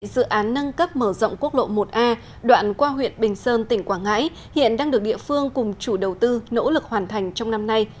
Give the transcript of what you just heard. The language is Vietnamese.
dự án nâng cấp mở rộng quốc lộ một a đoạn qua huyện bình sơn tỉnh quảng ngãi hiện đang được địa phương cùng chủ đầu tư nỗ lực hoàn thành trong năm nay